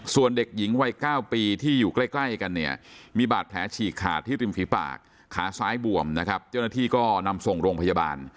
ส่วนเด็กหญิงวัย๙ปีที่อยู่ใกล้กันเนี่ยมีบาดแผลฉีกขาดที่ริมฝีปากขาซ้ายบวมนะครับเจ้าหน้าที่ก็นำส่งโรงพยาบาล